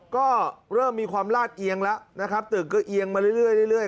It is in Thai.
ก็เริ่มมีความลาดเอียงแล้วนะครับตึกก็เอียงมาเรื่อย